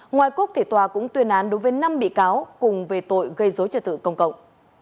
ngoài quốc thì tòa cũng tuyên án đối với năm bị cáo cùng về tội gây dối trật tự công cộng